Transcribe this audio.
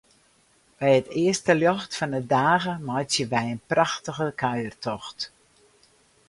By it earste ljocht fan 'e dage meitsje wy in prachtige kuiertocht.